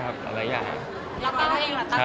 อะไรอย่างนี้ฮะ